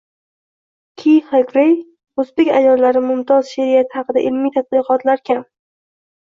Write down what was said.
Kiiyha Grey: “O‘zbek ayollari mumtoz she’riyati haqida ilmiy tadqiqotlar kam”